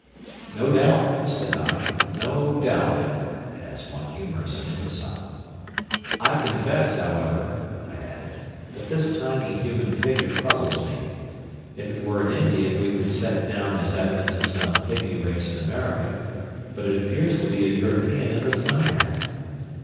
"No doubt," said I, "no doubt," as one humors an imbecile. "I confess, however," I added, "that this tiny human figure puzzles me. If it were an Indian we could set it down as evidence of some pigmy race in America, but it appears to be a European in a sun hat."